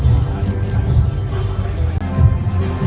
สโลแมคริปราบาล